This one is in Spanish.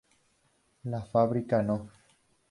La Fábrica No.